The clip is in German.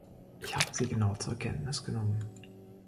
Ich habe sie genau zur Kenntnis genommen.